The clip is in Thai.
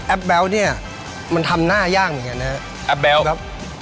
แอ๊บแป๊วนี่มันทำหน้ายากเหมือนกันนะครับ